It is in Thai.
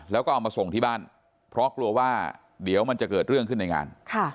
แล้วก็เอามาส่งที่บ้านเพราะกลัวว่าเดี๋ยวมันจะเกิดเรื่องขึ้นในงาน